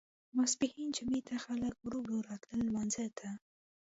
ماسپښین جمعې ته خلک ورو ورو راتلل لمانځه ته.